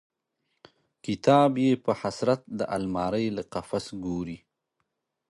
کتاب یې په حسرت د المارۍ له قفس ګوري